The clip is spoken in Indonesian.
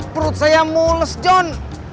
perut saya mules john